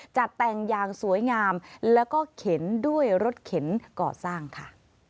จัดแต่งอย่างสวยงามแล้วก็เข็นด้วยรถเข็นก่อสร้างค่ะ